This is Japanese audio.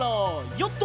ヨット！